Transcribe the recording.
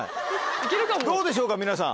どうでしょうか皆さん。